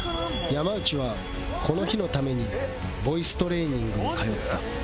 山内はこの日のためにボイストレーニングに通った